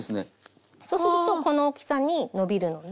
そうするとこの大きさにのびるので。